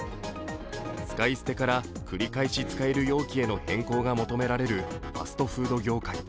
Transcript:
使い捨てから繰り返し使える容器への変更が求められるファストフード業界。